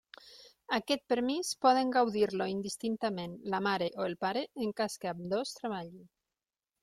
Aquest permís poden gaudir-lo indistintament la mare o el pare en cas que ambdós treballin.